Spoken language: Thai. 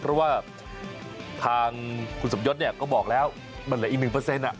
เพราะว่าทางคุณสมยศเนี่ยก็บอกแล้วมันเหลืออีกหนึ่งเปอร์เซ็นต์